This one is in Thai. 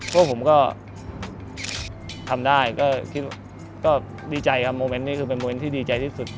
พวกผมก็ทำได้ก็ดีใจครับโมเมนต์นี้คือเป็นโมเมนต์ที่ดีใจที่สุด